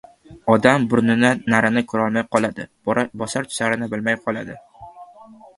Odam burnidan narini ko‘rolmay qoladi, bosar-tusarini bilmay qoladi.